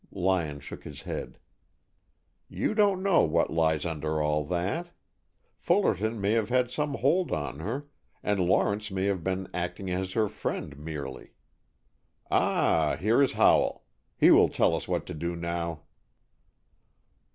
Lyon shook his head. "You don't know what lies under all that. Fullerton may have had some hold on her, and Lawrence may have been acting as her friend merely. Ah, here is Howell. He will tell us what to do now."